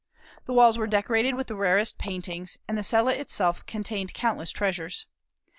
The walls were decorated with the rarest paintings, and the cella itself contained countless treasures.